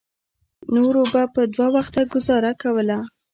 نورو به په دوه وخته ګوزاره کوله.